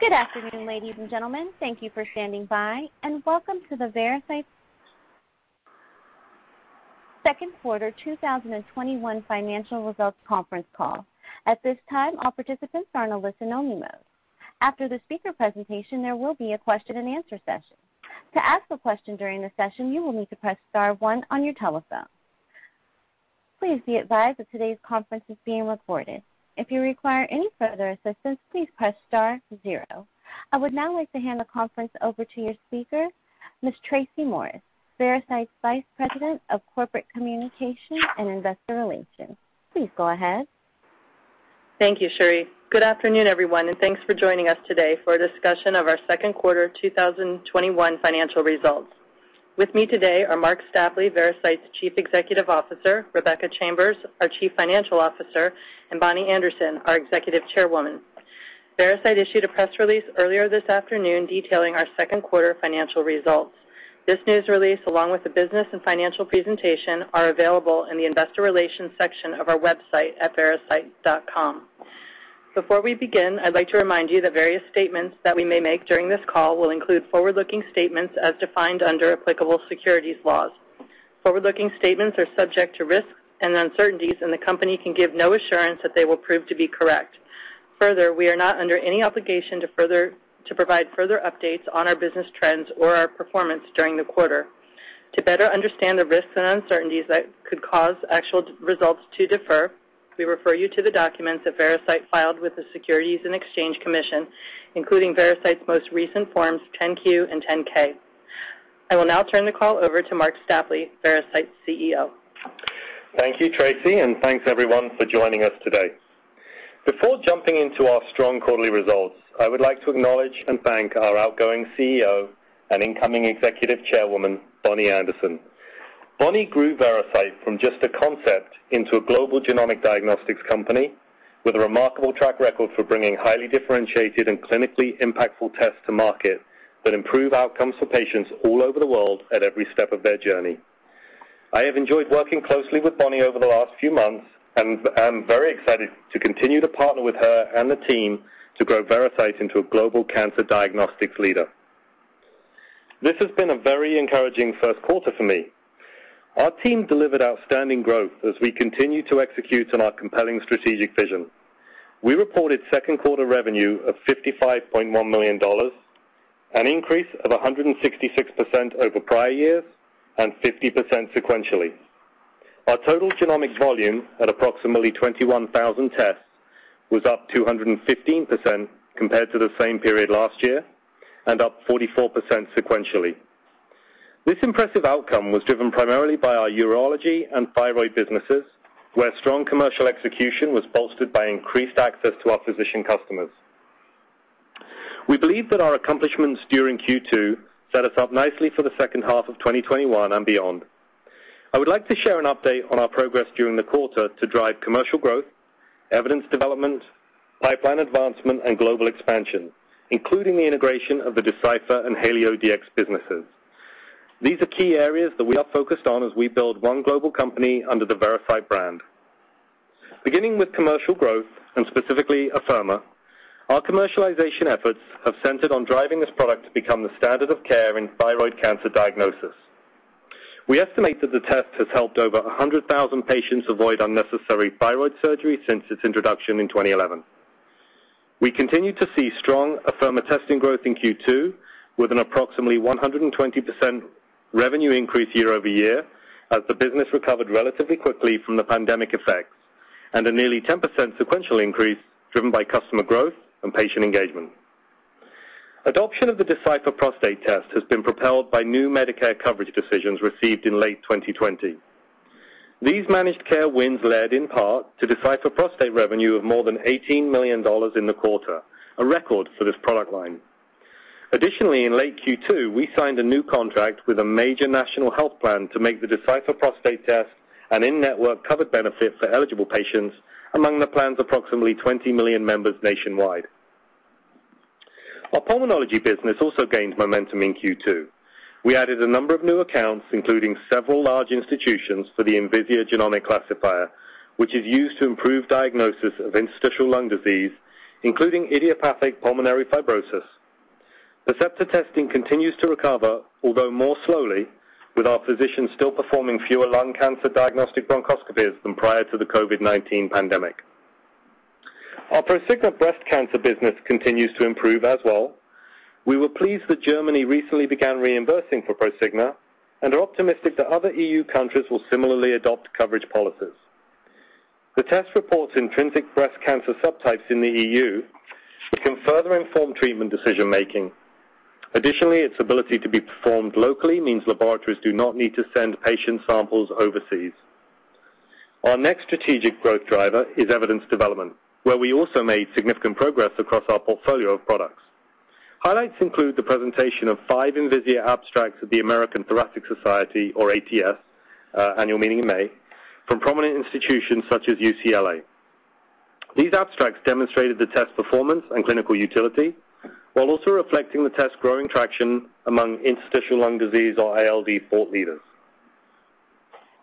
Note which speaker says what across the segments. Speaker 1: Good afternoon, ladies and gentlemen. Thank you for standing by, and welcome to the Veracyte second quarter 2021 financial results conference call. At this time, all participants are in a listen-only mode. After the speaker presentation, there will be a question and answer session. To ask a question during the session, you will need to press star one on your telephone. Please be advised that today's conference is being recorded. If you require any further assistance, please press star zero. I would now like to hand the conference over to your speaker, Ms. Tracy Morris, Veracyte's Vice President of Corporate Communications and Investor Relations. Please go ahead.
Speaker 2: Thank you, Sherry. Good afternoon, everyone, and thanks for joining us today for a discussion of our second quarter 2021 financial results. With me today are Marc Stapley, Veracyte's Chief Executive Officer, Rebecca Chambers, our Chief Financial Officer, and Bonnie Anderson, our Executive Chairwoman. Veracyte issued a press release earlier this afternoon detailing our second quarter financial results. This news release, along with the business and financial presentation, are available in the investor relations section of our website at veracyte.com. Before we begin, I'd like to remind you that various statements that we may make during this call will include forward-looking statements as defined under applicable securities laws. Forward-looking statements are subject to risks and uncertainties, and the company can give no assurance that they will prove to be correct. We are not under any obligation to provide further updates on our business trends or our performance during the quarter. To better understand the risks and uncertainties that could cause actual results to differ, we refer you to the documents that Veracyte filed with the Securities and Exchange Commission, including Veracyte's most recent Forms 10-Q and 10-K. I will now turn the call over to Marc Stapley, Veracyte's CEO.
Speaker 3: Thank you, Tracy, and thanks everyone for joining us today. Before jumping into our strong quarterly results, I would like to acknowledge and thank our outgoing CEO and incoming Executive Chairwoman, Bonnie Anderson. Bonnie grew Veracyte from just a concept into a global genomic diagnostics company with a remarkable track record for bringing highly differentiated and clinically impactful tests to market that improve outcomes for patients all over the world at every step of their journey. I have enjoyed working closely with Bonnie over the last few months, and I'm very excited to continue to partner with her and the team to grow Veracyte into a global cancer diagnostics leader. This has been a very encouraging first quarter for me. Our team delivered outstanding growth as we continue to execute on our compelling strategic vision. We reported second quarter revenue of $55.1 million, an increase of 166% over prior years and 50% sequentially. Our total genomic volume at approximately 21,000 tests was up 215% compared to the same period last year and up 44% sequentially. This impressive outcome was driven primarily by our urology and thyroid businesses, where strong commercial execution was bolstered by increased access to our physician customers. We believe that our accomplishments during Q2 set us up nicely for the second half of 2021 and beyond. I would like to share an update on our progress during the quarter to drive commercial growth, evidence development, pipeline advancement, and global expansion, including the integration of the Decipher and HalioDx businesses. These are key areas that we are focused on as we build one global company under the Veracyte brand. Beginning with commercial growth and specifically Afirma, our commercialization efforts have centered on driving this product to become the standard of care in thyroid cancer diagnosis. We estimate that the test has helped over 100,000 patients avoid unnecessary thyroid surgery since its introduction in 2011. We continue to see strong Afirma testing growth in Q2 with an approximately 120% revenue increase year-over-year as the business recovered relatively quickly from the pandemic effects and a nearly 10% sequential increase driven by customer growth and patient engagement. Adoption of the Decipher Prostate test has been propelled by new Medicare coverage decisions received in late 2020. These managed care wins led in part to Decipher Prostate revenue of more than $18 million in the quarter, a record for this product line. Additionally, in late Q2, we signed a new contract with a major national health plan to make the Decipher Prostate test an in-network covered benefit for eligible patients among the plan's approximately 20 million members nationwide. Our pulmonology business also gained momentum in Q2. We added a number of new accounts, including several large institutions for the Envisia Genomic Classifier, which is used to improve diagnosis of interstitial lung disease, including idiopathic pulmonary fibrosis. Percepta testing continues to recover, although more slowly, with our physicians still performing fewer lung cancer diagnostic bronchoscopies than prior to the COVID-19 pandemic. Our Prosigna breast cancer business continues to improve as well. We were pleased that Germany recently began reimbursing for Prosigna and are optimistic that other EU countries will similarly adopt coverage policies. The test reports intrinsic breast cancer subtypes in the EU that can further inform treatment decision-making. Additionally, its ability to be performed locally means laboratories do not need to send patient samples overseas. Our next strategic growth driver is evidence development, where we also made significant progress across our portfolio of products. Highlights include the presentation of five Envisia abstracts at the American Thoracic Society, or ATS, Annual Meeting in May from prominent institutions such as UCLA. These abstracts demonstrated the test performance and clinical utility, while also reflecting the test's growing traction among interstitial lung disease, or ILD, thought leaders.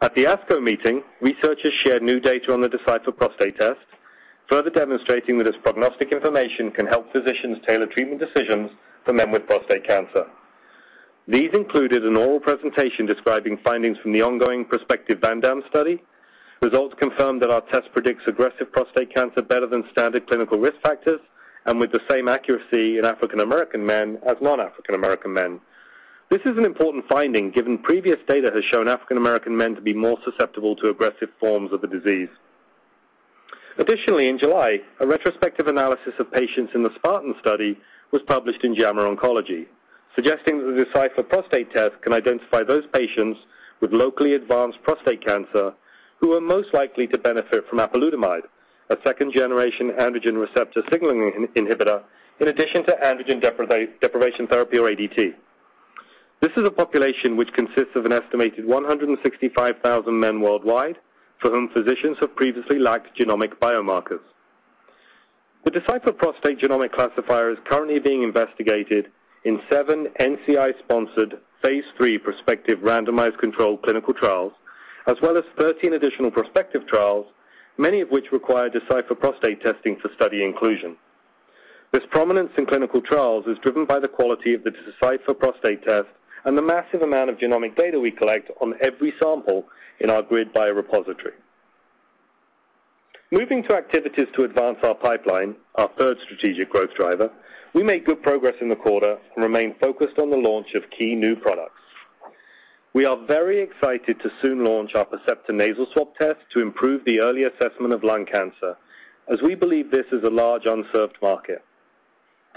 Speaker 3: At the ASCO meeting, researchers shared new data on the Decipher Prostate Test, further demonstrating that its prognostic information can help physicians tailor treatment decisions for men with prostate cancer. These included an oral presentation describing findings from the ongoing prospective VANDAAM study. Results confirmed that our test predicts aggressive prostate cancer better than standard clinical risk factors, and with the same accuracy in African American men as non-African American men. This is an important finding, given previous data has shown African American men to be more susceptible to aggressive forms of the disease. Additionally, in July, a retrospective analysis of patients in the SPARTAN study was published in JAMA Oncology, suggesting that the Decipher Prostate Test can identify those patients with locally advanced prostate cancer who are most likely to benefit from apalutamide, a second-generation androgen receptor signaling inhibitor, in addition to androgen deprivation therapy, or ADT. This is a population which consists of an estimated 165,000 men worldwide for whom physicians have previously lacked genomic biomarkers. The Decipher Prostate Genomic Classifier is currently being investigated in seven NCI-sponsored, phase III prospective randomized controlled clinical trials, as well as 13 additional prospective trials, many of which require Decipher Prostate Testing for study inclusion. This prominence in clinical trials is driven by the quality of the Decipher Prostate Test and the massive amount of genomic data we collect on every sample in our GRID biorepository. Moving to activities to advance our pipeline, our third strategic growth driver, we made good progress in the quarter and remain focused on the launch of key new products. We are very excited to soon launch our Percepta Nasal Swab test to improve the early assessment of lung cancer, as we believe this is a large unserved market.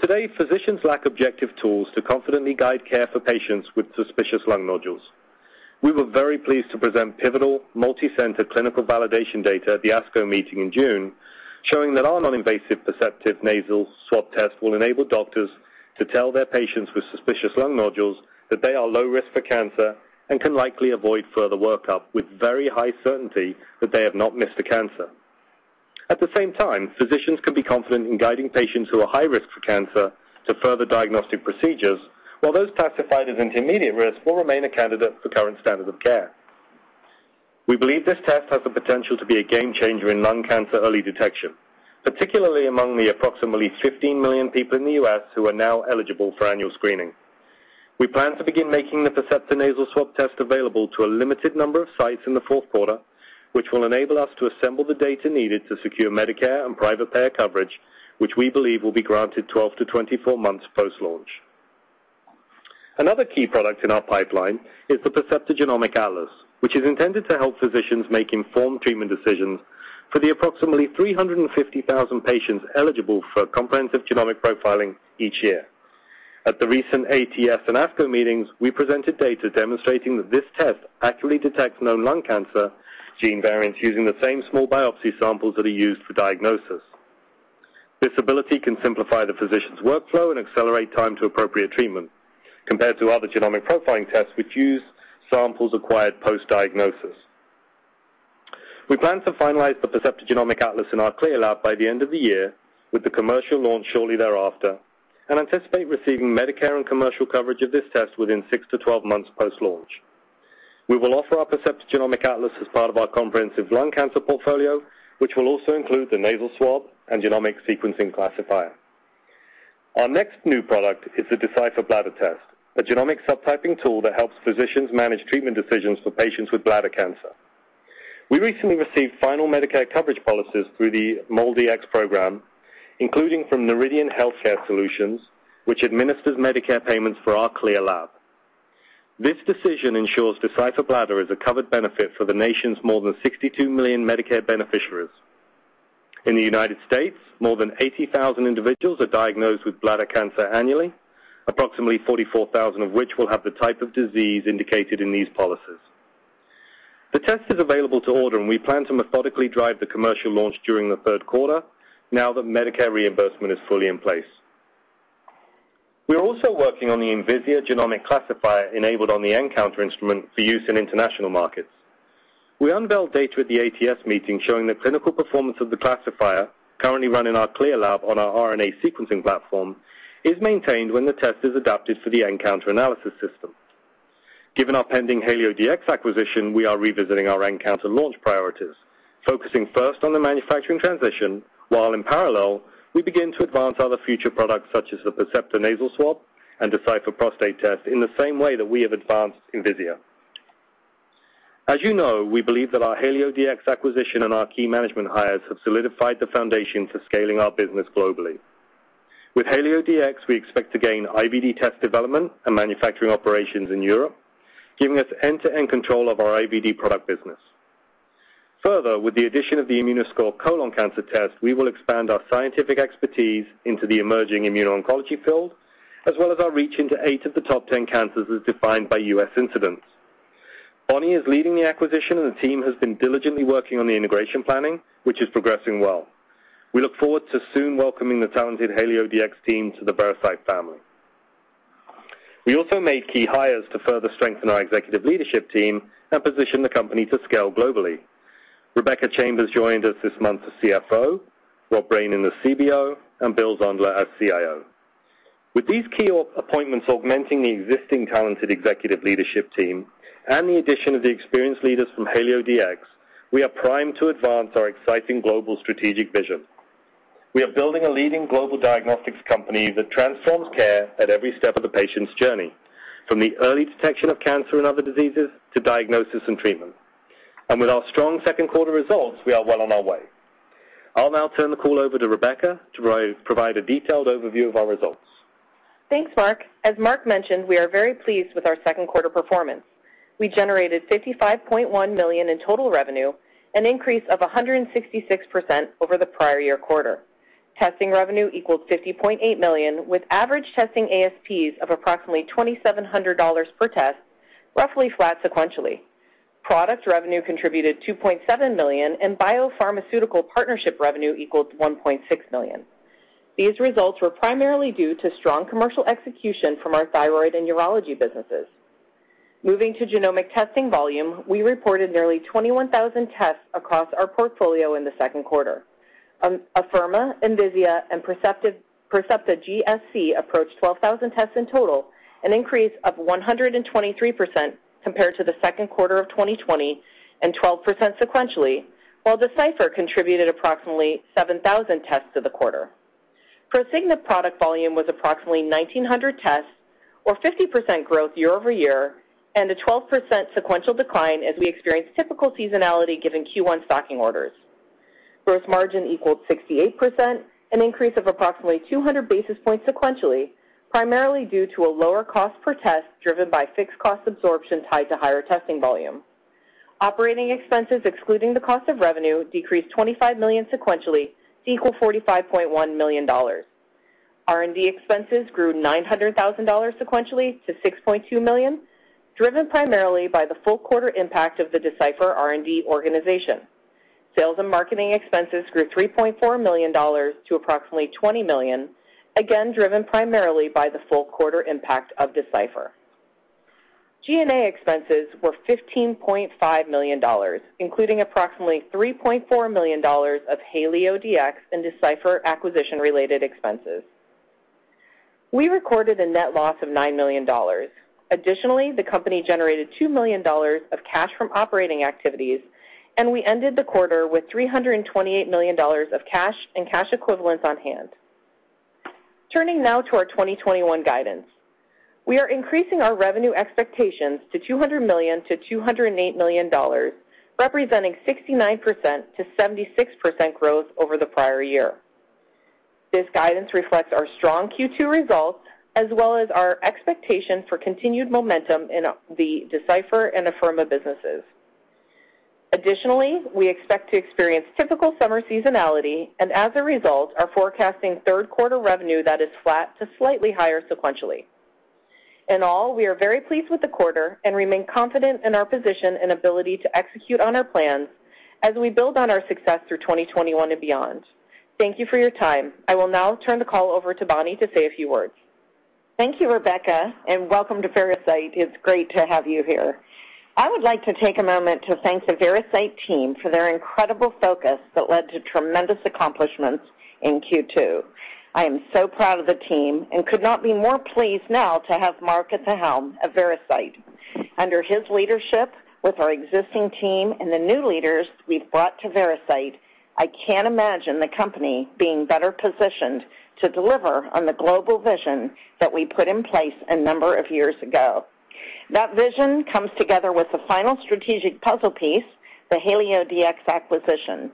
Speaker 3: Today, physicians lack objective tools to confidently guide care for patients with suspicious lung nodules. We were very pleased to present pivotal, multi-center clinical validation data at the ASCO meeting in June, showing that our non-invasive Percepta Nasal Swab test will enable doctors to tell their patients with suspicious lung nodules that they are low risk for cancer and can likely avoid further workup, with very high certainty that they have not missed a cancer. Physicians can be confident in guiding patients who are high risk for cancer to further diagnostic procedures, while those classified as intermediate risk will remain a candidate for current standard of care. We believe this test has the potential to be a game changer in lung cancer early detection, particularly among the approximately 15 million people in the U.S. who are now eligible for annual screening. We plan to begin making the Percepta Nasal Swab test available to a limited number of sites in the fourth quarter, which will enable us to assemble the data needed to secure Medicare and private payer coverage, which we believe will be granted 12-24 months post-launch. Another key product in our pipeline is the Percepta Genomic Atlas, which is intended to help physicians make informed treatment decisions for the approximately 350,000 patients eligible for comprehensive genomic profiling each year. At the recent ATS and ASCO meetings, we presented data demonstrating that this test accurately detects known lung cancer gene variants using the same small biopsy samples that are used for diagnosis. This ability can simplify the physician's workflow and accelerate time to appropriate treatment compared to other genomic profiling tests which use samples acquired post-diagnosis. We plan to finalize the Percepta Genomic Atlas in our CLIA lab by the end of the year, with the commercial launch shortly thereafter, and anticipate receiving Medicare and commercial coverage of this test within 6-12 months post-launch. We will offer our Percepta Genomic Atlas as part of our comprehensive lung cancer portfolio, which will also include the nasal swab and genomic sequencing classifier. Our next new product is the Decipher Bladder test, a genomic subtyping tool that helps physicians manage treatment decisions for patients with bladder cancer. We recently received final Medicare coverage policies through the MolDX program, including from Noridian Healthcare Solutions, which administers Medicare payments for our CLIA lab. This decision ensures Decipher Bladder is a covered benefit for the nation's more than 62 million Medicare beneficiaries. In the United States, more than 80,000 individuals are diagnosed with bladder cancer annually, approximately 44,000 of which will have the type of disease indicated in these policies. The test is available to order, and we plan to methodically drive the commercial launch during the third quarter now that Medicare reimbursement is fully in place. We're also working on the Envisia Genomic Classifier enabled on the nCounter for use in international markets. We unveiled data at the ATS showing the clinical performance of the classifier currently run in our CLIA on our RNA sequencing is maintained when the test is adapted for the nCounter Analysis System. Given our pending HalioDx acquisition, we are revisiting our nCounter to launch priorities, focusing first on the manufacturing transition, while in parallel, we begin to advance other future products such as the Percepta Nasal Swab and Decipher Prostate test in the same way that we have advanced Envisia. As you know, we believe that our HalioDx acquisition and our key management hires have solidified the foundation for scaling our business globally. With HalioDx, we expect to gain IVD test development and manufacturing operations in Europe, giving us end-to-end control of our IVD product business. Further, with the addition of the Immunoscore Colon Cancer test, we will expand our scientific expertise into the emerging immuno-oncology field, as well as our reach into eight of the top 10 cancers as defined by U.S. incidence. Bonnie is leading the acquisition, and the team has been diligently working on the integration planning, which is progressing well. We look forward to soon welcoming the talented HalioDx team to the Veracyte family. We also made key hires to further strengthen our executive leadership team and position the company to scale globally. Rebecca Chambers joined us this month as CFO, Rob Brainin as CBO, and Bill Zondler as CIO. With these key appointments augmenting the existing talented executive leadership team and the addition of the experienced leaders from HalioDx, we are primed to advance our exciting global strategic vision. We are building a leading global diagnostics company that transforms care at every step of the patient's journey, from the early detection of cancer and other diseases, to diagnosis and treatment. With our strong second quarter results, we are well on our way. I'll now turn the call over to Rebecca to provide a detailed overview of our results.
Speaker 4: Thanks, Marc. As Marc mentioned, we are very pleased with our second quarter performance. We generated $55.1 million in total revenue, an increase of 166% over the prior year quarter. Testing revenue equals $50.8 million, with average testing ASPs of approximately $2,700 per test, roughly flat sequentially. Product revenue contributed $2.7 million, and biopharmaceutical partnership revenue equaled to $1.6 million. These results were primarily due to strong commercial execution from our thyroid and urology businesses. Moving to genomic testing volume, we reported nearly 21,000 tests across our portfolio in the second quarter. Afirma, Envisia, and Percepta GSC approached 12,000 tests in total, an increase of 123% compared to the second quarter of 2020 and 12% sequentially, while Decipher contributed approximately 7,000 tests to the quarter. Prosigna product volume was approximately 1,900 tests, or 50% growth year-over-year, and a 12% sequential decline as we experienced typical seasonality given Q1 stocking orders. Gross margin equaled 68%, an increase of approximately 200 basis points sequentially, primarily due to a lower cost per test driven by fixed cost absorption tied to higher testing volume. Operating expenses, excluding the cost of revenue, decreased $25 million sequentially to equal $45.1 million. R&D expenses grew $900,000 sequentially to $6.2 million, driven primarily by the full quarter impact of the Decipher R&D organization. Sales and marketing expenses grew $3.4 million to approximately $20 million, again, driven primarily by the full quarter impact of Decipher. G&A expenses were $15.5 million, including approximately $3.4 million of HalioDx and Decipher acquisition-related expenses. We recorded a net loss of $9 million. Additionally, the company generated $2 million of cash from operating activities, and we ended the quarter with $328 million of cash and cash equivalents on hand. Turning now to our 2021 guidance. We are increasing our revenue expectations to $200 million-$208 million, representing 69%-76% growth over the prior year. This guidance reflects our strong Q2 results, as well as our expectation for continued momentum in the Decipher and Afirma businesses. Additionally, we expect to experience typical summer seasonality, and as a result, are forecasting third quarter revenue that is flat to slightly higher sequentially. In all, we are very pleased with the quarter and remain confident in our position and ability to execute on our plans as we build on our success through 2021 and beyond. Thank you for your time. I will now turn the call over to Bonnie to say a few words.
Speaker 5: Thank you, Rebecca, and welcome to Veracyte. It's great to have you here. I would like to take a moment to thank the Veracyte team for their incredible focus that led to tremendous accomplishments in Q2. I am so proud of the team and could not be more pleased now to have Marc at the helm of Veracyte. Under his leadership, with our existing team and the new leaders we've brought to Veracyte, I can't imagine the company being better positioned to deliver on the global vision that we put in place a number of years ago. That vision comes together with the final strategic puzzle piece, the HalioDx acquisition,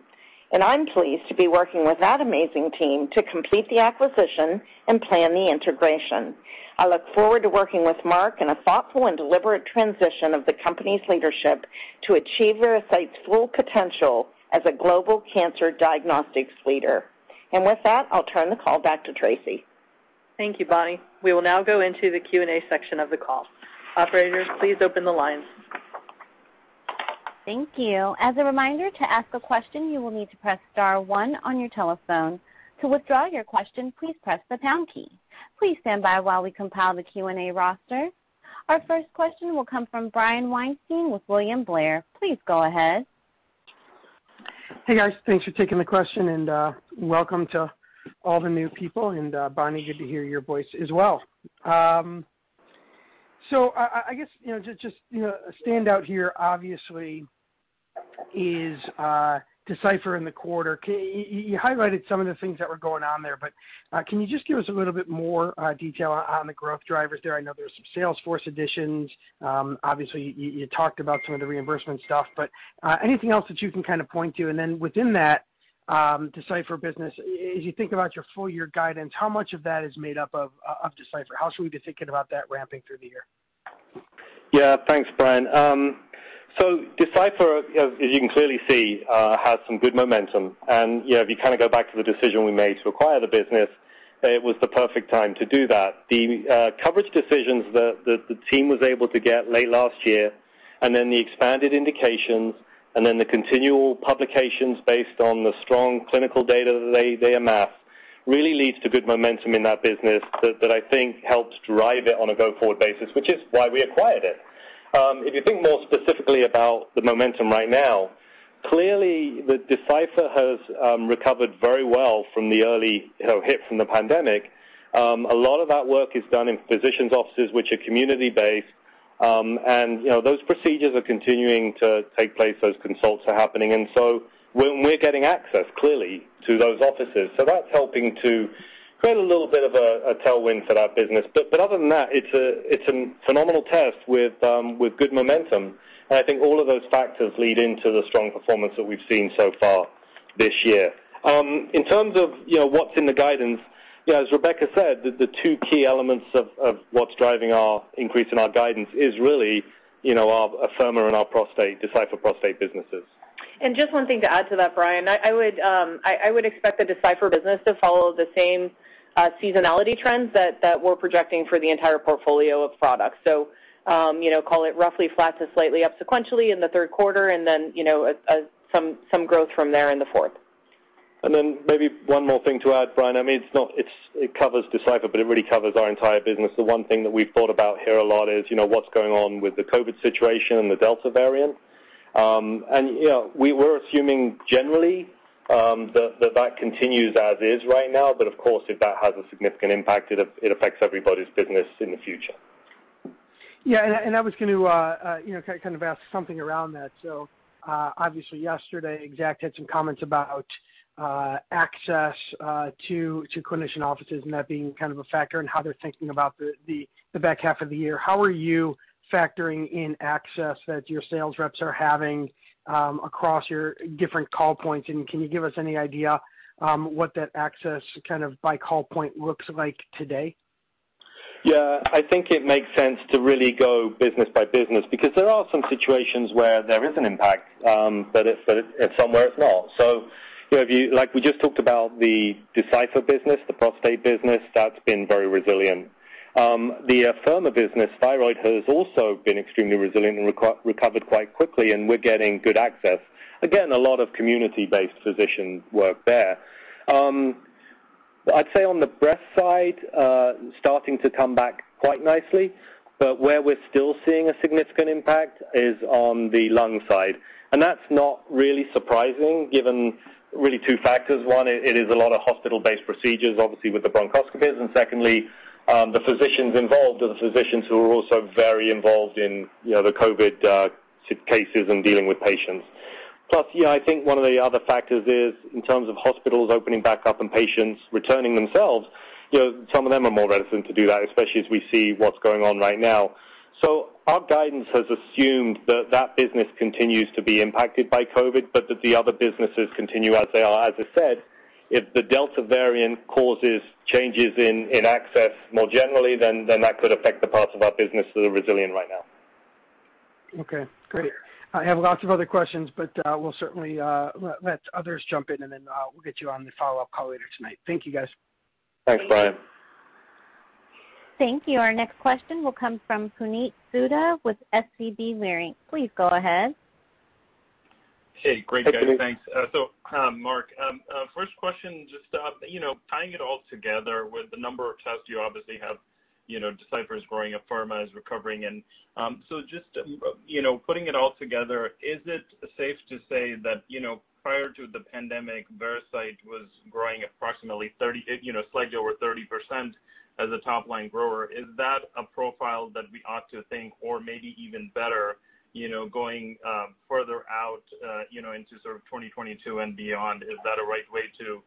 Speaker 5: and I'm pleased to be working with that amazing team to complete the acquisition and plan the integration. I look forward to working with Marc in a thoughtful and deliberate transition of the company's leadership to achieve Veracyte's full potential as a global cancer diagnostics leader. With that, I'll turn the call back to Tracy.
Speaker 2: Thank you, Bonnie. We will now go into the Q&A section of the call. Operators, please open the lines.
Speaker 1: Thank you. As a reminder, to ask a question, you will need to press star one on your telephone. To withdraw your question, please press the pound key. Please stand by while we compile the Q&A roster. Our first question will come from Brian Weinstein with William Blair. Please go ahead.
Speaker 6: Hey, guys. Thanks for taking the question and welcome to all the new people. Bonnie, good to hear your voice as well. I guess, just a standout here, obviously, is Decipher in the quarter. You highlighted some of the things that were going on there, can you just give us a little bit more detail on the growth drivers there? I know there's some sales force additions. Obviously, you talked about some of the reimbursement stuff, anything else that you can point to? Then within that Decipher business, as you think about your full year guidance, how much of that is made up of Decipher? How should we be thinking about that ramping through the year?
Speaker 3: Thanks, Brian. Decipher, as you can clearly see, has some good momentum. If you go back to the decision we made to acquire the business, it was the perfect time to do that. The coverage decisions that the team was able to get late last year and then the expanded indications and then the continual publications based on the strong clinical data that they amassed really leads to good momentum in that business that I think helps drive it on a go-forward basis, which is why we acquired it. If you think more specifically about the momentum right now. Clearly, the Decipher has recovered very well from the early hit from the pandemic. A lot of that work is done in physicians' offices, which are community-based. Those procedures are continuing to take place, those consults are happening. We're getting access, clearly, to those offices. That's helping to create a little bit of a tailwind for that business. Other than that, it's a phenomenal test with good momentum. I think all of those factors lead into the strong performance that we've seen so far this year. In terms of what's in the guidance, as Rebecca said, the two key elements of what's driving our increase in our guidance is really our Afirma and our Decipher Prostate businesses.
Speaker 4: Just one thing to add to that, Brian, I would expect the Decipher business to follow the same seasonality trends that we're projecting for the entire portfolio of products. Call it roughly flat to slightly up sequentially in the third quarter, and then some growth from there in the fourth.
Speaker 3: Maybe one more thing to add, Brian. It covers Decipher, but it really covers our entire business. The one thing that we've thought about here a lot is, what's going on with the COVID situation and the Delta variant. We're assuming generally, that continues as is right now. Of course, if that has a significant impact, it affects everybody's business in the future.
Speaker 6: I was going to kind of ask something around that. Obviously yesterday, Exact had some comments about access to clinician offices and that being kind of a factor in how they're thinking about the back half of the year. How are you factoring in access that your sales reps are having across your different call points, and can you give us any idea what that access by call point looks like today?
Speaker 3: Yeah, I think it makes sense to really go business by business, there are some situations where there is an impact, but somewhere it's not. We just talked about the Decipher business, the prostate business, that's been very resilient. The Afirma business, thyroid, has also been extremely resilient and recovered quite quickly, and we're getting good access. Again, a lot of community-based physician work there. I'd say on the breast side, starting to come back quite nicely, but where we're still seeing a significant impact is on the lung side. That's not really surprising given really two factors. One, it is a lot of hospital-based procedures, obviously, with the bronchoscopies. Secondly, the physicians involved are the physicians who are also very involved in the COVID cases and dealing with patients. I think one of the other factors is in terms of hospitals opening back up and patients returning themselves, some of them are more reticent to do that, especially as we see what's going on right now. Our guidance has assumed that that business continues to be impacted by COVID, but that the other businesses continue as they are. As I said, if the Delta variant causes changes in access more generally, then that could affect the parts of our business that are resilient right now.
Speaker 6: Okay, great. I have lots of other questions, but we'll certainly let others jump in and then we'll get you on the follow-up call later tonight. Thank you, guys.
Speaker 3: Thanks, Brian.
Speaker 1: Thank you. Our next question will come from Puneet Souda with SVB Leerink. Please go ahead.
Speaker 7: Hey, great guys.
Speaker 3: Hey, Puneet.
Speaker 7: Thanks. Marc, first question, just tying it all together with the number of tests you obviously have, Decipher is growing, Afirma is recovering in. Just putting it all together, is it safe to say that prior to the pandemic, Veracyte was growing approximately slightly over 30% as a top-line grower. Is that a profile that we ought to think or maybe even better, going further out into sort of 2022 and beyond, is that a right way to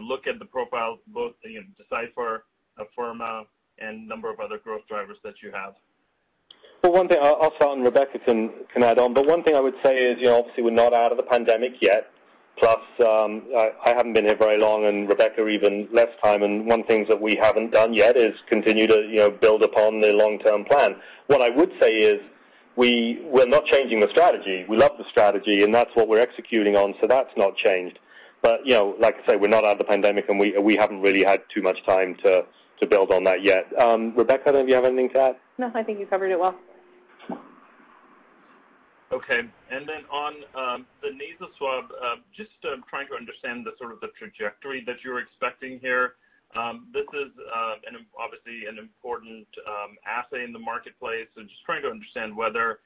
Speaker 7: look at the profile, both Decipher, Afirma, and number of other growth drivers that you have?
Speaker 3: Well, I'll start and Rebecca can add on. One thing I would say is, obviously we're not out of the pandemic yet, plus, I haven't been here very long, and Rebecca even less time, and one thing that we haven't done yet is continue to build upon the long-term plan. What I would say is we're not changing the strategy. We love the strategy, and that's what we're executing on, so that's not changed. Like I say, we're not out of the pandemic, and we haven't really had too much time to build on that yet. Rebecca, do you have anything to add?
Speaker 4: No, I think you covered it well.
Speaker 7: Okay. On the nasal swab, just trying to understand the sort of the trajectory that you're expecting here. This is obviously an important assay in the marketplace. Just trying to understand whether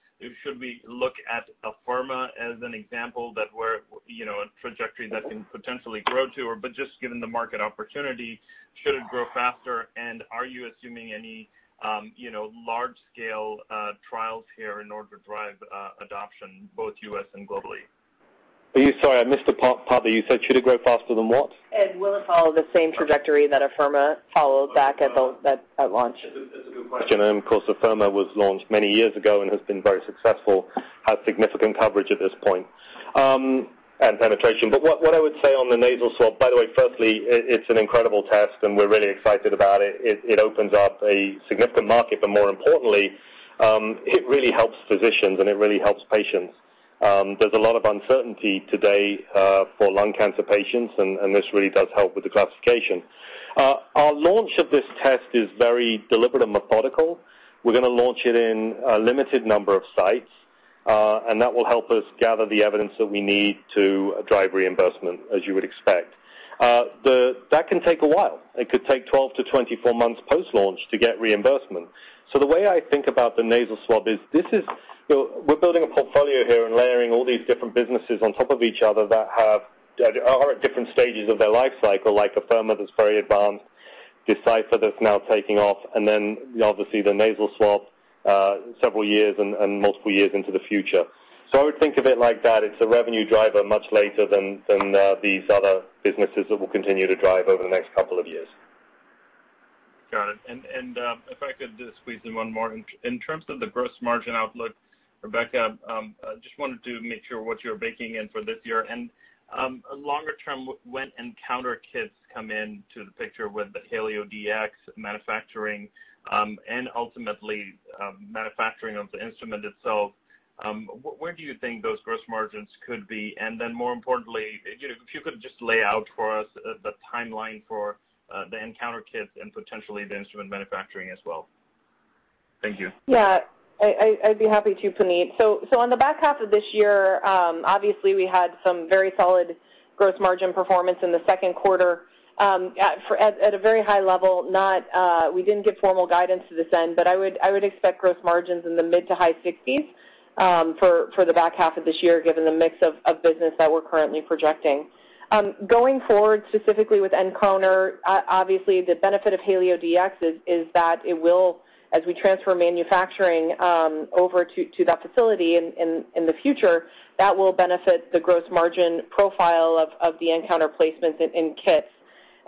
Speaker 7: should we look at Afirma as an example, a trajectory that can potentially grow to, or but just given the market opportunity, should it grow faster and are you assuming any large-scale trials here in order to drive adoption, both U.S. and globally?
Speaker 3: Sorry, I missed the part. You said should it grow faster than what?
Speaker 5: Will it follow the same trajectory that Afirma followed back at launch?
Speaker 3: That's a good question. Of course, Afirma was launched many years ago and has been very successful, has significant coverage at this point, and penetration. What I would say on the Nasal Swab, by the way, firstly, it's an incredible test. We're really excited about it. It opens up a significant market. More importantly, it really helps physicians. It really helps patients. There's a lot of uncertainty today for lung cancer patients. This really does help with the classification. Our launch of this test is very deliberate and methodical. We're going to launch it in a limited number of sites. That will help us gather the evidence that we need to drive reimbursement, as you would expect. That can take a while. It could take 12-24 months post-launch to get reimbursement. The way I think about the Nasal Swab is, we're building a portfolio here and layering all these different businesses on top of each other that are at different stages of their life cycle, like Afirma that's very advanced, Decipher that's now taking off, and then obviously the Nasal Swab, several years and multiple years into the future. I would think of it like that. It's a revenue driver much later than these other businesses that we'll continue to drive over the next couple of years.
Speaker 7: Got it. If I could just squeeze in one more. In terms of the gross margin outlook, Rebecca, just wanted to make sure what you're baking in for this year, and longer term, when nCounter kits come into the picture with the HalioDx manufacturing, and ultimately, manufacturing of the instrument itself, where do you think those gross margins could be? Then more importantly, if you could just lay out for us the timeline for the nCounter kits and potentially the instrument manufacturing as well. Thank you.
Speaker 4: I'd be happy to, Puneet. On the back half of this year, obviously we had some very solid gross margin performance in the second quarter. At a very high level, we didn't give formal guidance to this end, but I would expect gross margins in the mid to high 60s for the back half of this year, given the mix of business that we're currently projecting. Going forward, specifically with nCounter, obviously the benefit of HalioDx is that it will, as we transfer manufacturing over to that facility in the future, that will benefit the gross margin profile of the nCounter placements in kits.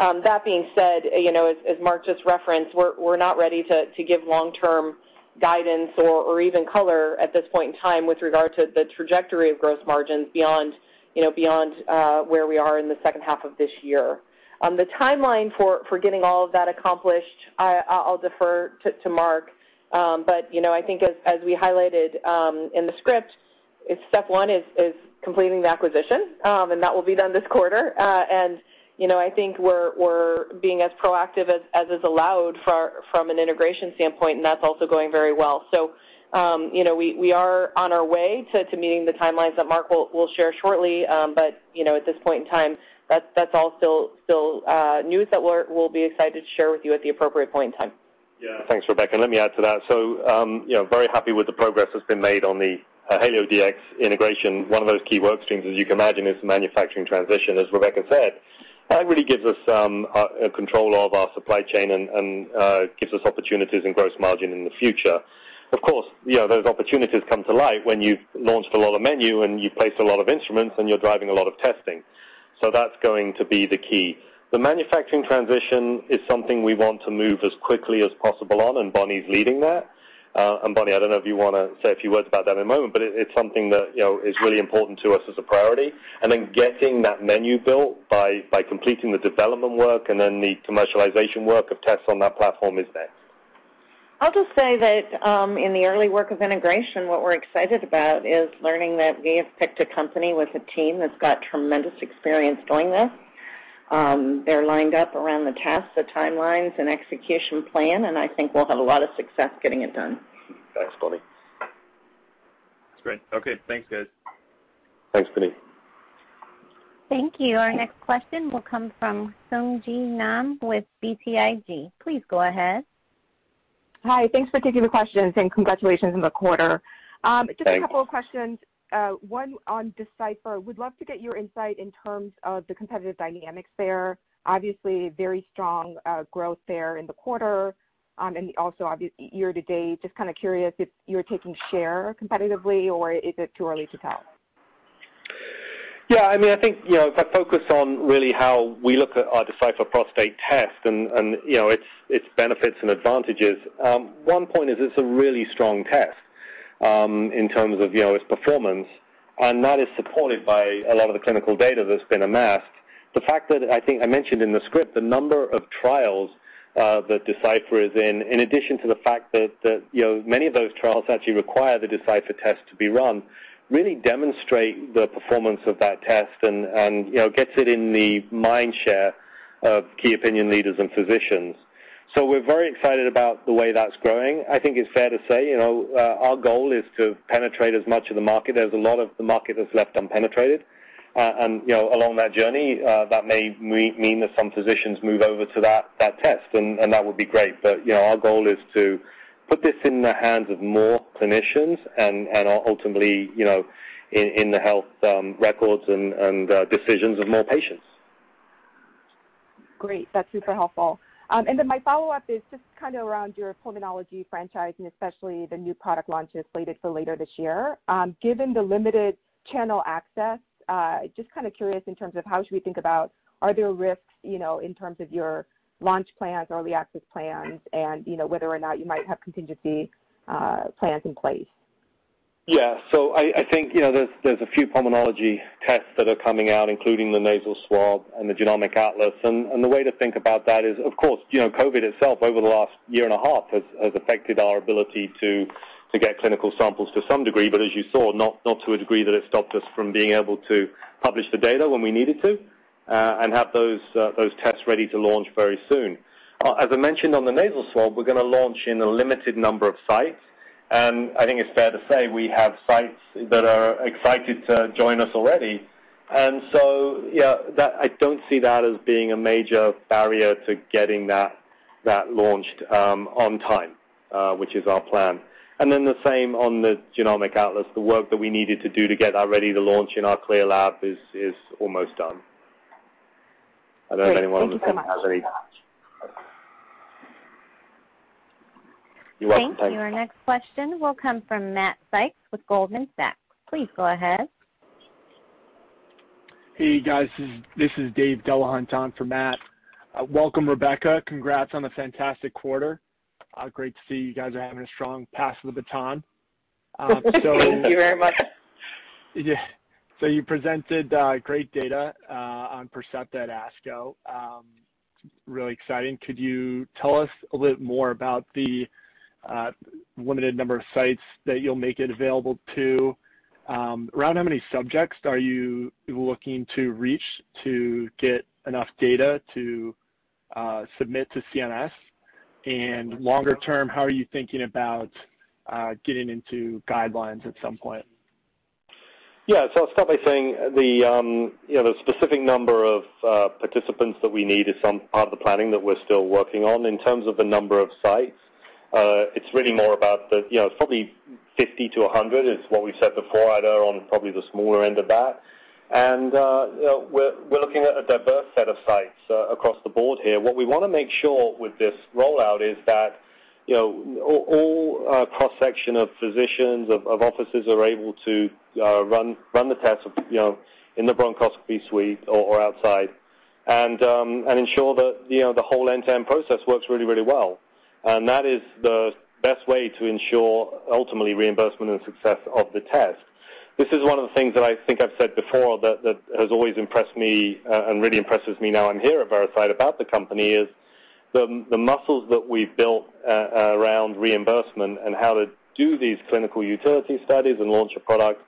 Speaker 4: That being said, as Marc Stapley just referenced, we're not ready to give long-term guidance or even color at this point in time with regard to the trajectory of gross margins beyond where we are in the second half of this year. The timeline for getting all of that accomplished, I'll defer to Marc. I think as we highlighted in the script, step one is completing the acquisition, and that will be done this quarter. I think we're being as proactive as is allowed from an integration standpoint, and that's also going very well. We are on our way to meeting the timelines that Marc will share shortly. At this point in time, that's all still news that we'll be excited to share with you at the appropriate point in time.
Speaker 3: Yeah. Thanks, Rebecca. Let me add to that. Very happy with the progress that's been made on the HalioDx integration. One of those key work streams, as you can imagine, is the manufacturing transition, as Rebecca said. That really gives us control of our supply chain and gives us opportunities in gross margin in the future. Of course, those opportunities come to light when you've launched a lot of menu and you've placed a lot of instruments and you're driving a lot of testing. That's going to be the key. The manufacturing transition is something we want to move as quickly as possible on, and Bonnie's leading that. Bonnie, I don't know if you want to say a few words about that in a moment. It's something that is really important to us as a priority. Then getting that menu built by completing the development work and then the commercialization work of tests on that platform is next.
Speaker 5: I'll just say that in the early work of integration, what we're excited about is learning that we have picked a company with a team that's got tremendous experience doing this. They're lined up around the tasks, the timelines, and execution plan, and I think we'll have a lot of success getting it done.
Speaker 3: Thanks, Bonnie.
Speaker 7: That's great. Okay, thanks, guys.
Speaker 3: Thanks, Puneet.
Speaker 1: Thank you. Our next question will come from Sung Ji Nam with BTIG. Please go ahead.
Speaker 8: Hi. Thanks for taking the questions and congratulations on the quarter.
Speaker 3: Thanks.
Speaker 8: Just a couple of questions. One on Decipher. Would love to get your insight in terms of the competitive dynamics there. Obviously, very strong growth there in the quarter. Also obviously year-to-date, just kind of curious if you're taking share competitively or is it too early to tell?
Speaker 3: I think, if I focus on really how we look at our Decipher Prostate test and its benefits and advantages, one point is it's a really strong test, in terms of its performance. That is supported by a lot of the clinical data that's been amassed. The fact that, I think I mentioned in the script, the number of trials that Decipher is in addition to the fact that many of those trials actually require the Decipher test to be run, really demonstrate the performance of that test and gets it in the mind share of key opinion leaders and physicians. We're very excited about the way that's growing. I think it's fair to say, our goal is to penetrate as much of the market. There's a lot of the market that's left unpenetrated. Along that journey, that may mean that some physicians move over to that test, and that would be great. Our goal is to put this in the hands of more clinicians and ultimately, in the health records and decisions of more patients.
Speaker 8: Great. That's super helpful. My follow-up is just around your pulmonology franchise and especially the new product launches slated for later this year. Given the limited channel access, just kind of curious in terms of how should we think about, are there risks in terms of your launch plans, early access plans, and whether or not you might have contingency plans in place?
Speaker 3: Yeah. I think there's a few pulmonology tests that are coming out, including the Nasal Swab and the Genomic Atlas. The way to think about that is, of course, COVID-19 itself over the last year and a half has affected our ability to get clinical samples to some degree, but as you saw, not to a degree that it stopped us from being able to publish the data when we needed to. Have those tests ready to launch very soon. As I mentioned on the Nasal Swab, we're going to launch in a limited number of sites. I think it's fair to say we have sites that are excited to join us already. Yeah, I don't see that as being a major barrier to getting that launched on time, which is our plan. The same on the Genomic Atlas. The work that we needed to do to get that ready to launch in our CLIA lab is almost done. I don't know if anyone on the phone has any.
Speaker 8: Great. Thank you so much.
Speaker 3: You're welcome. Thanks.
Speaker 1: Thank you. Our next question will come from Matt Sykes with Goldman Sachs. Please go ahead.
Speaker 9: Hey, guys. This is David Delahunt on for Matt. Welcome, Rebecca. Congrats on the fantastic quarter. Great to see you guys are having a strong pass of the baton.
Speaker 4: Thank you very much.
Speaker 9: You presented great data on Percepta at ASCO. Really exciting. Could you tell us a little bit more about the limited number of sites that you'll make it available to? Around how many subjects are you looking to reach to get enough data to submit to CMS? Longer term, how are you thinking about getting into guidelines at some point?
Speaker 3: Yeah. I'll start by saying the specific number of participants that we need is some part of the planning that we're still working on. In terms of the number of sites, it's probably 50-100 is what we said before. I'd err on probably the smaller end of that. We're looking at a diverse set of sites across the board here. What we want to make sure with this rollout is that all cross-section of physicians, of offices, are able to run the test in the bronchoscopy suite or outside and ensure that the whole end-to-end process works really well. That is the best way to ensure, ultimately, reimbursement and success of the test. This is one of the things that I think I've said before that has always impressed me, and really impresses me now I'm here at Veracyte, about the company is the muscles that we've built around reimbursement and how to do these clinical utility studies and launch a product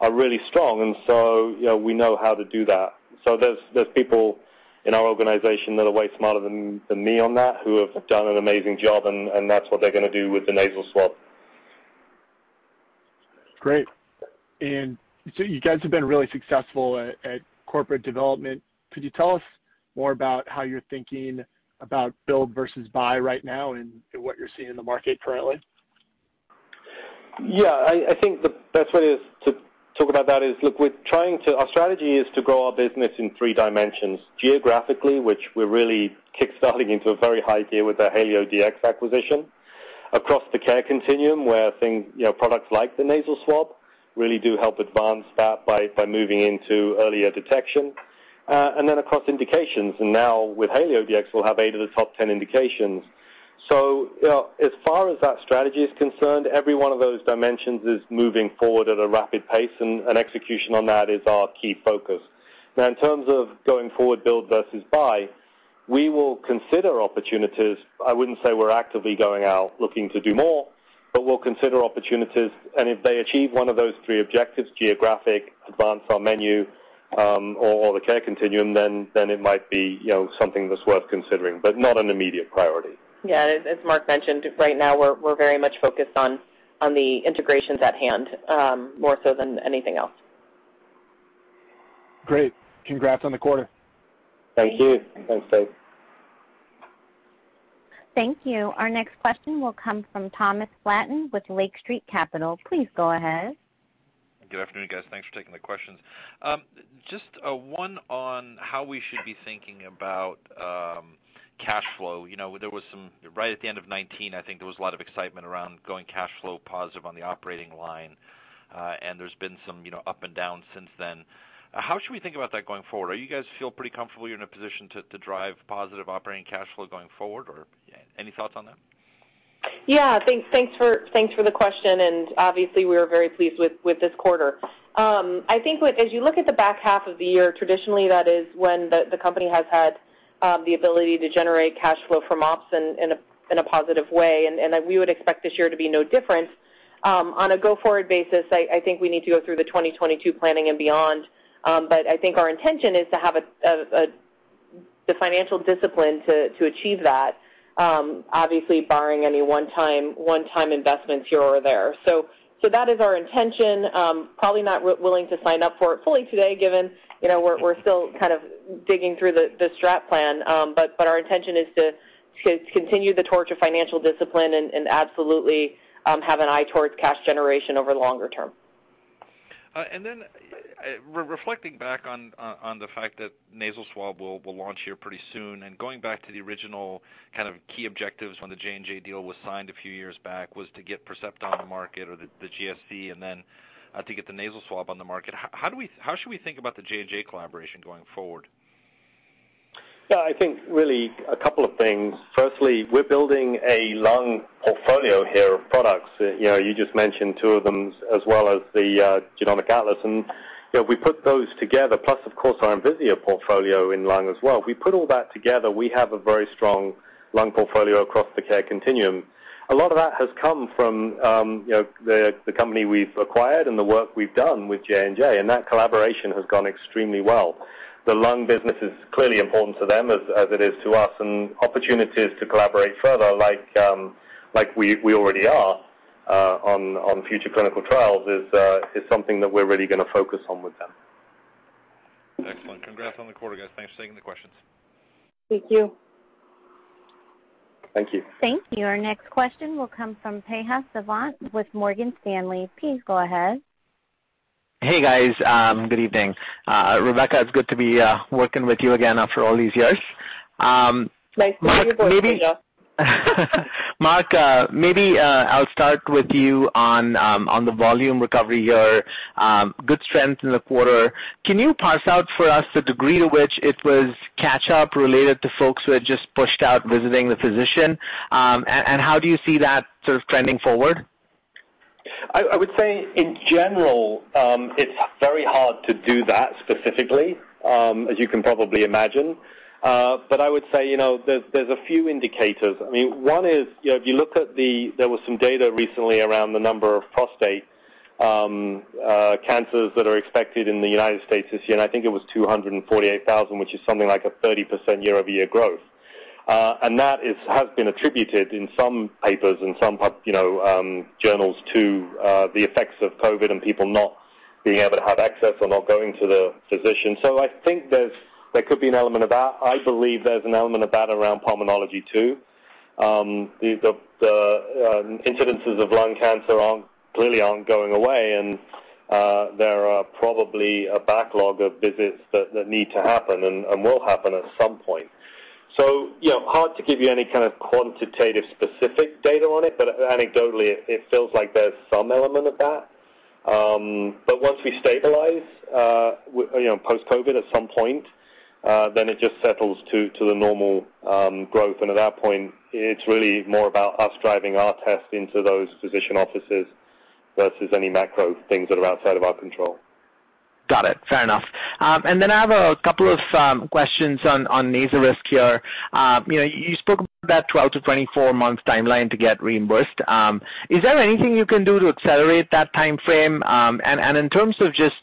Speaker 3: are really strong. We know how to do that. There's people in our organization that are way smarter than me on that, who have done an amazing job, and that's what they're going to do with the nasal swab.
Speaker 9: Great. You guys have been really successful at corporate development. Could you tell us more about how you're thinking about build versus buy right now and what you're seeing in the market currently?
Speaker 3: Yeah, I think the best way is to talk about that is, look, our strategy is to grow our business in three dimensions. Geographically, which we're really kickstarting into a very high gear with our HalioDx acquisition. Across the care continuum, where products like the nasal swab really do help advance that by moving into earlier detection. Across indications, and now with HalioDx, we'll have eight of the top 10 indications. As far as that strategy is concerned, every one of those dimensions is moving forward at a rapid pace, and execution on that is our key focus. Now, in terms of going forward build versus buy, we will consider opportunities. I wouldn't say we're actively going out looking to do more, but we'll consider opportunities. If they achieve one of those three objectives, geographic, advance our menu, or the care continuum, then it might be something that's worth considering, but not an immediate priority.
Speaker 4: Yeah, as Marc mentioned, right now, we're very much focused on the integrations at hand, more so than anything else.
Speaker 9: Great. Congrats on the quarter.
Speaker 3: Thank you. Thanks, Dave.
Speaker 1: Thank you. Our next question will come from Thomas Flaten with Lake Street Capital. Please go ahead.
Speaker 10: Good afternoon, guys. Thanks for taking the questions. Just one on how we should be thinking about cash flow. Right at the end of 2019, I think there was a lot of excitement around going cash flow positive on the operating line. There's been some up and down since then. How should we think about that going forward? Are you guys feel pretty comfortable you're in a position to drive positive operating cash flow going forward? Any thoughts on that?
Speaker 4: Thanks for the question. Obviously, we are very pleased with this quarter. I think as you look at the back half of the year, traditionally, that is when the company has had the ability to generate cash flow from ops in a positive way, we would expect this year to be no different. On a go-forward basis, I think we need to go through the 2022 planning and beyond. I think our intention is to have the financial discipline to achieve that, obviously barring any one-time investments here or there. That is our intention. Probably not willing to sign up for it fully today, given we're still kind of digging through the strat plan. Our intention is to continue the torch of financial discipline and absolutely have an eye towards cash generation over longer term.
Speaker 10: Reflecting back on the fact that Nasal Swab will launch here pretty soon, and going back to the original kind of key objectives when the J&J deal was signed a few years back, was to get Percepta on the market or the GSC, and then to get the Nasal Swab on the market. How should we think about the J&J collaboration going forward?
Speaker 3: Yeah, I think really two things. Firstly, we're building a lung portfolio here of products. You just mentioned two of them, as well as the Genomic Atlas. We put those together, plus of course our Envisia portfolio in lung as well. We put all that together, we have a very strong lung portfolio across the care continuum. A lot of that has come from the company we've acquired and the work we've done with J&J, and that collaboration has gone extremely well. The lung business is clearly important to them as it is to us, and opportunities to collaborate further, like we already are on future clinical trials, is something that we're really going to focus on with them.
Speaker 10: Excellent. Congrats on the quarter, guys. Thanks for taking the questions.
Speaker 4: Thank you.
Speaker 3: Thank you.
Speaker 1: Thank you. Our next question will come from Tejas Savant with Morgan Stanley. Please go ahead.
Speaker 11: Hey, guys. Good evening. Rebecca, it's good to be working with you again after all these years.
Speaker 4: Nice to hear your voice, Tejas.
Speaker 11: Marc, maybe I'll start with you on the volume recovery here. Good strength in the quarter. Can you parse out for us the degree to which it was catch-up related to folks who had just pushed out visiting the physician? How do you see that sort of trending forward?
Speaker 3: I would say, in general, it's very hard to do that specifically, as you can probably imagine. I would say, there's a few indicators. One is, there was some data recently around the number of prostate cancers that are expected in the U.S. this year, and I think it was 248,000, which is something like a 30% year-over-year growth. That has been attributed in some papers and some journals to the effects of COVID and people not being able to have access or not going to the physician. I think there could be an element of that. I believe there's an element of that around pulmonology, too. The incidences of lung cancer clearly aren't going away, and there are probably a backlog of visits that need to happen and will happen at some point. Hard to give you any kind of quantitative specific data on it, but anecdotally, it feels like there's some element of that. Once we stabilize post-COVID at some point, then it just settles to the normal growth. At that point, it's really more about us driving our tests into those physician offices versus any macro things that are outside of our control.
Speaker 11: Got it. Fair enough. Then I have a couple of questions on nasal swab here. You spoke about 12 to 24 months timeline to get reimbursed. Is there anything you can do to accelerate that timeframe? In terms of just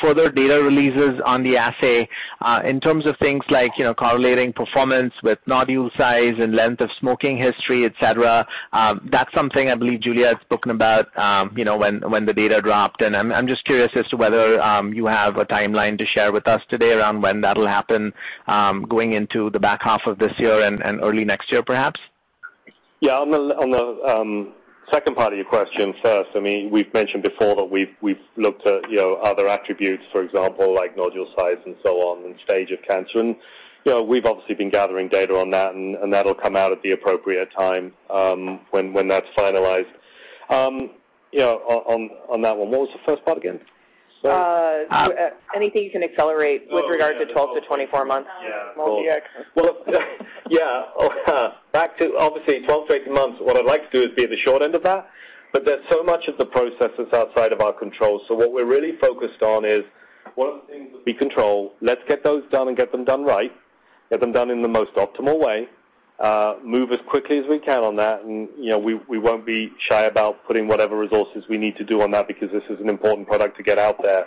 Speaker 11: further data releases on the assay, in terms of things like correlating performance with nodule size and length of smoking history, et cetera, that's something I believe Giulia had spoken about when the data dropped. I'm just curious as to whether you have a timeline to share with us today around when that'll happen, going into the back half of this year and early next year, perhaps.
Speaker 3: Yeah. On the second part of your question first. We've mentioned before that we've looked at other attributes, for example, like nodule size and so on, and stage of cancer. We've obviously been gathering data on that, and that'll come out at the appropriate time when that's finalized on that one. What was the first part again?
Speaker 4: Anything you can accelerate with regard to 12 to 24 months?
Speaker 3: Yeah.
Speaker 4: MolDX.
Speaker 3: Yeah. Back to, obviously, 12-18 months. What I'd like to do is be at the short end of that, but there's so much of the process that's outside of our control. What we're really focused on is what are the things that we control? Let's get those done and get them done right, get them done in the most optimal way. Move as quickly as we can on that, we won't be shy about putting whatever resources we need to do on that because this is an important product to get out there.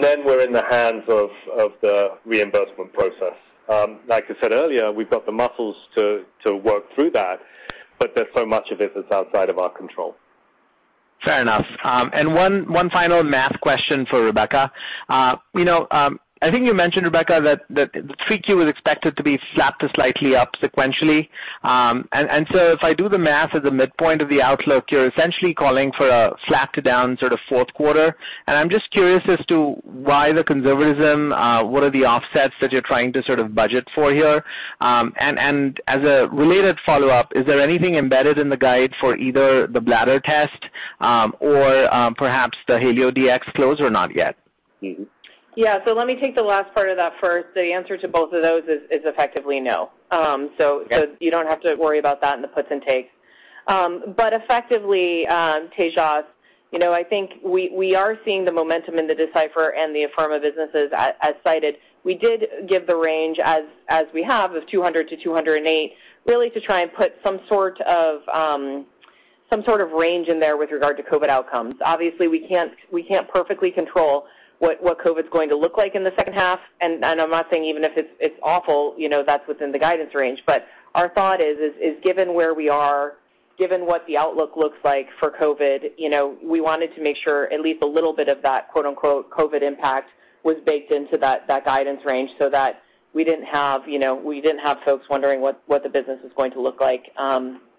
Speaker 3: Then we're in the hands of the reimbursement process. Like I said earlier, we've got the muscles to work through that, but there's so much of it that's outside of our control.
Speaker 11: Fair enough. One final math question for Rebecca. I think you mentioned, Rebecca, that 3Q was expected to be flat to slightly up sequentially. If I do the math at the midpoint of the outlook, you're essentially calling for a flat to down sort of fourth quarter, and I'm just curious as to why the conservatism. What are the offsets that you're trying to sort of budget for here? As a related follow-up, is there anything embedded in the guide for either the bladder test or perhaps the HalioDx close or not yet?
Speaker 4: Yeah. Let me take the last part of that first. The answer to both of those is effectively no.
Speaker 11: Got it.
Speaker 4: You don't have to worry about that and the puts and takes. Effectively, Tejas, I think we are seeing the momentum in the Decipher and the Afirma businesses as cited. We did give the range as we have of $200 million-$208 million, really to try and put some sort of range in there with regard to COVID outcomes. We can't perfectly control what COVID's going to look like in the second half, and I'm not saying even if it's awful, that's within the guidance range. Our thought is, given where we are, given what the outlook looks like for COVID, we wanted to make sure at least a little bit of that "COVID impact" was baked into that guidance range so that we didn't have folks wondering what the business is going to look like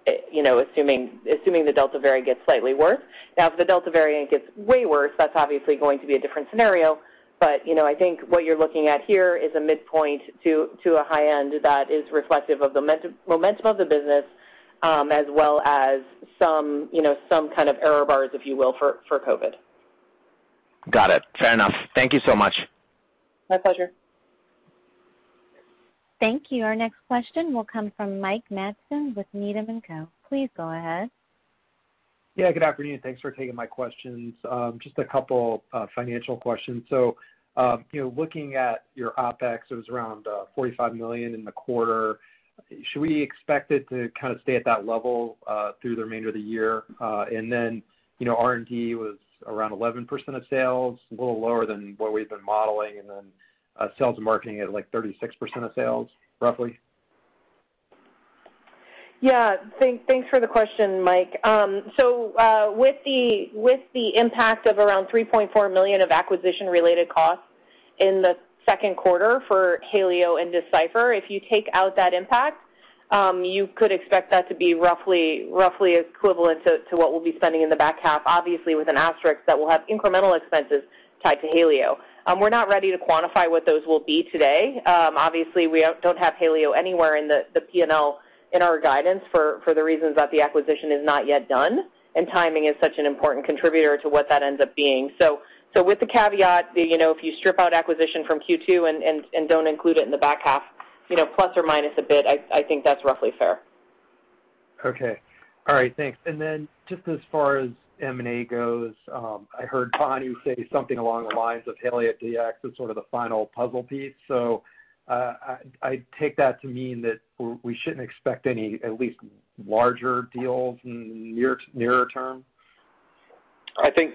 Speaker 4: assuming the Delta variant gets slightly worse. If the Delta variant gets way worse, that's obviously going to be a different scenario. I think what you're looking at here is a midpoint to a high end that is reflective of the momentum of the business, as well as some kind of error bars, if you will, for COVID.
Speaker 11: Got it. Fair enough. Thank you so much.
Speaker 4: My pleasure.
Speaker 1: Thank you. Our next question will come from Mike Matson with Needham & Company. Please go ahead.
Speaker 12: Yeah, good afternoon. Thanks for taking my questions. Just a couple financial questions. Looking at your OpEx, it was around $45 million in the quarter. Should we expect it to kind of stay at that level through the remainder of the year? R&D was around 11% of sales, a little lower than what we've been modeling. Sales and marketing at like 36% of sales, roughly.
Speaker 4: Yeah. Thanks for the question, Mike. With the impact of around $3.4 million of acquisition-related costs in the second quarter for HalioDx and Decipher, if you take out that impact, you could expect that to be roughly equivalent to what we'll be spending in the back half, obviously with an asterisk that will have incremental expenses tied to HalioDx. We're not ready to quantify what those will be today. We don't have HalioDx anywhere in the P&L in our guidance for the reasons that the acquisition is not yet done, and timing is such an important contributor to what that ends up being. With the caveat, if you strip out acquisition from Q2 and don't include it in the back half, plus or minus a bit, I think that's roughly fair.
Speaker 12: Okay. All right, thanks. Just as far as M&A goes, I heard Bonnie say something along the lines of HalioDx as sort of the final puzzle piece. I take that to mean that we shouldn't expect any, at least, larger deals nearer term.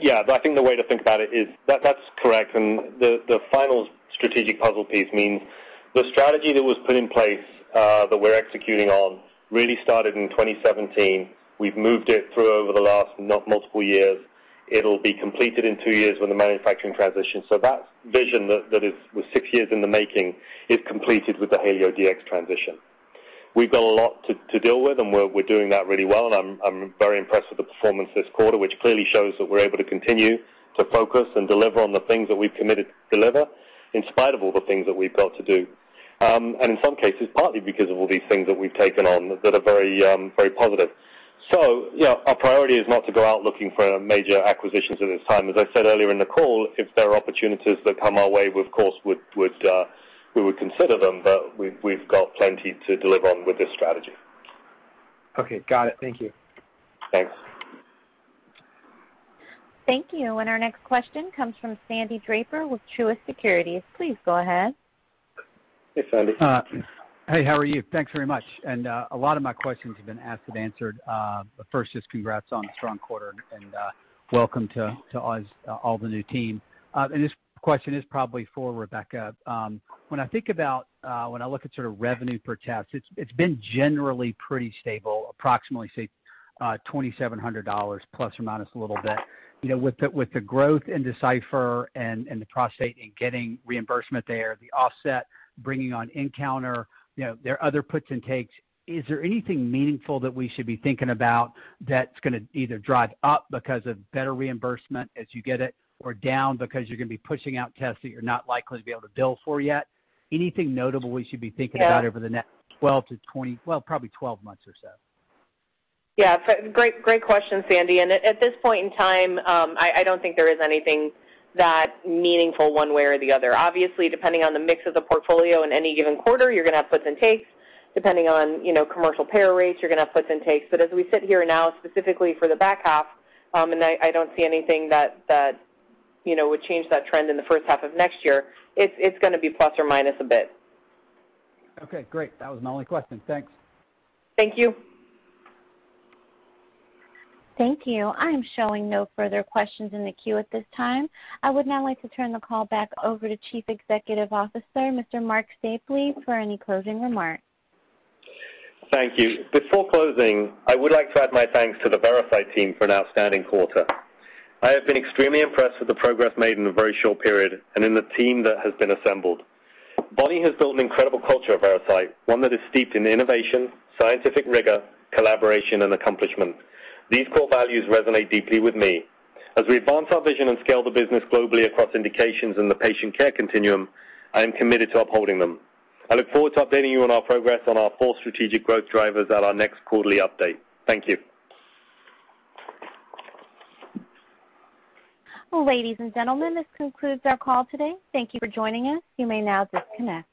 Speaker 3: Yeah. I think the way to think about it is that's correct, and the final strategic puzzle piece means the strategy that was put in place, that we're executing on, really started in 2017. We've moved it through over the last multiple years. It'll be completed in two years with the manufacturing transition. That vision that was six years in the making is completed with the HalioDx transition. We've got a lot to deal with, and we're doing that really well, and I'm very impressed with the performance this quarter, which clearly shows that we're able to continue to focus and deliver on the things that we've committed to deliver in spite of all the things that we've got to do. In some cases, partly because of all these things that we've taken on that are very positive. Yeah, our priority is not to go out looking for major acquisitions at this time. As I said earlier in the call, if there are opportunities that come our way, we of course would consider them, but we've got plenty to deliver on with this strategy.
Speaker 12: Okay. Got it. Thank you.
Speaker 3: Thanks.
Speaker 1: Thank you. Our next question comes from Sandy Draper with Truist Securities. Please go ahead.
Speaker 3: Hey, Sandy.
Speaker 13: Hey, how are you? Thanks very much. A lot of my questions have been asked and answered. First, just congrats on the strong quarter and welcome to all the new team. This question is probably for Rebecca. When I look at sort of revenue per test, it's been generally pretty stable, approximately, say, $2,700 plus or minus a little bit. With the growth in Decipher and the prostate in getting reimbursement there, the offset, bringing on nCounter, there are other puts and takes. Is there anything meaningful that we should be thinking about that's going to either drive up because of better reimbursement as you get it, or down because you're going to be pushing out tests that you're not likely to be able to bill for yet? Anything notable we should be thinking about over the next 12-20, well, probably 12 months or so?
Speaker 4: Yeah. Great question, Sandy. At this point in time, I don't think there is anything that meaningful one way or the other. Obviously, depending on the mix of the portfolio in any given quarter, you're going to have puts and takes. Depending on commercial payer rates, you're going to have puts and takes. As we sit here now, specifically for the back half, I don't see anything that would change that trend in the first half of next year. It's going to be plus or minus a bit.
Speaker 13: Okay, great. That was my only question. Thanks.
Speaker 4: Thank you.
Speaker 1: Thank you. I am showing no further questions in the queue at this time. I would now like to turn the call back over to Chief Executive Officer, Mr. Marc Stapley, for any closing remarks.
Speaker 3: Thank you. Before closing, I would like to add my thanks to the Veracyte team for an outstanding quarter. I have been extremely impressed with the progress made in a very short period and in the team that has been assembled. Bonnie has built an incredible culture at Veracyte, one that is steeped in innovation, scientific rigor, collaboration, and accomplishment. These core values resonate deeply with me. As we advance our vision and scale the business globally across indications in the patient care continuum, I am committed to upholding them. I look forward to updating you on our progress on our four strategic growth drivers at our next quarterly update. Thank you.
Speaker 1: Ladies and gentlemen, this concludes our call today. Thank you for joining us. You may now disconnect.